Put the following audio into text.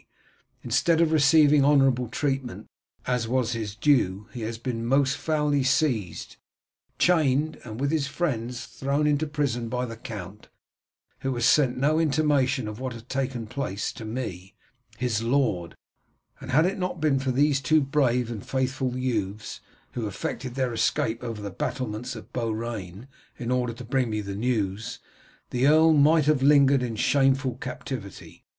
Instead of receiving honourable treatment, as was his due, he has been most foully seized, chained, and with his friends thrown into prison by the count, who has sent no intimation of what has taken place to me, his lord, and had it not been for these two brave and faithful youths, who effected their escape over the battlements of Beaurain in order to bring me the news, the earl might have lingered in shameful captivity.